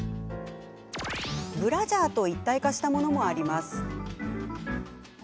ブラジャーと一体化したものもあります。